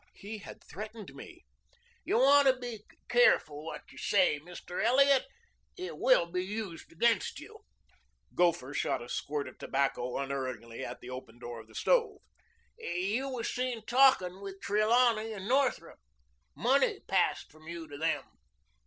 "He had threatened me." "You want to be careful what you say, Mr. Elliot. It will be used against you." Gopher shot a squirt of tobacco unerringly at the open door of the stove. "You was seen talking with Trelawney and Northrup. Money passed from you to them."